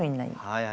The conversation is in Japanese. はい！